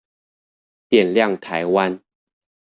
點亮台灣